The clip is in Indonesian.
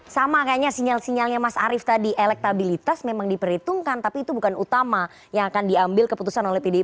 sama kayaknya sinyal sinyalnya mas arief tadi elektabilitas memang diperhitungkan tapi itu bukan utama yang akan diambil keputusan oleh pdip